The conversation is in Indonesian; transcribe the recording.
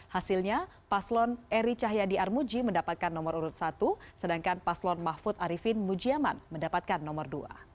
hasilnya paslon eri cahyadi armuji mendapatkan nomor urut satu sedangkan paslon mahfud arifin mujiaman mendapatkan nomor dua